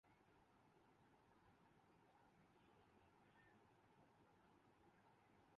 Banking سے تعلق ہے۔